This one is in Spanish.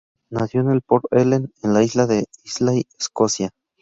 Nació en Port Ellen, en la isla de Islay, Escocia.